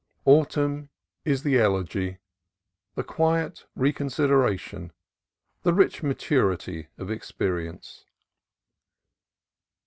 Autumn is the elegy, the quiet re consideration, the rich maturity of experience.